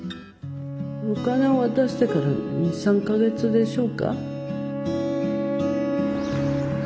お金を渡してから２３か月でしょうか。